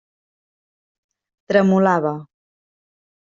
Tremolava.